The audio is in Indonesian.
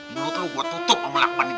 mulut lu gue tutup sama lakban itu